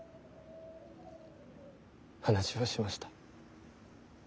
話をしました。